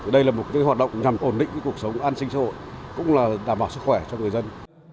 đây là một hoạt động nhằm ổn định cuộc sống an sinh xã hội cũng là đảm bảo sức khỏe cho người dân